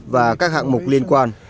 và các hạng mục liên quan